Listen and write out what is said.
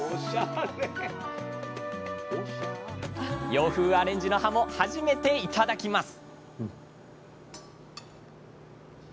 洋風アレンジのはも初めて頂きます！